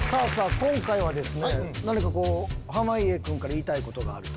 今回はですね何かこう濱家君から言いたいことがあると。